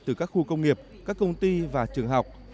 từ các khu công nghiệp các công ty và trường học